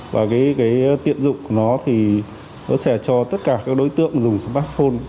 và cái tiện dụng của nó thì nó sẽ cho tất cả các đối tượng dùng smartphone